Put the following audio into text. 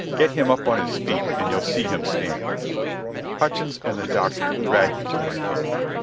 "Get him up on his feat and you'll see him stand." Hutchins and the doctor dragged me to my feet.